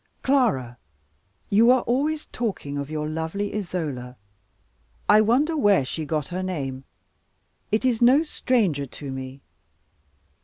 Clara, you are always talking of your lovely Isola. I wonder where she got her name: it is no stranger to me.